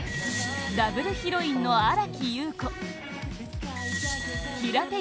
ダブルヒロインの新木優子平手